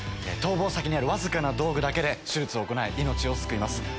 逃亡先にあるわずかな道具だけで手術を行い命を救います。